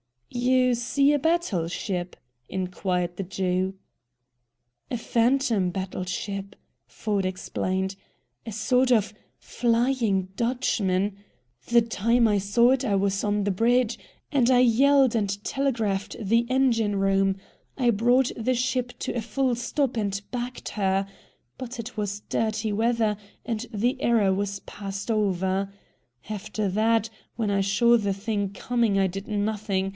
"You see a battle ship?" inquired the Jew. "A phantom battle ship," Ford explained, "a sort OF FLYING DUTCHMAN. The time I saw it I was on the bridge, and I yelled and telegraphed the engine room. I brought the ship to a full stop, and backed her. But it was dirty weather, and the error was passed over. After that, when I saw the thing coming I did nothing.